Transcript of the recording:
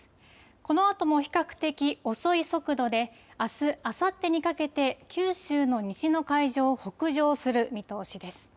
このあとも比較的遅い速度で、あす、あさってにかけて、九州の西の海上を北上する見通しです。